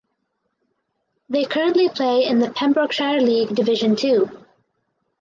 They currently play in the Pembrokeshire League Division Two.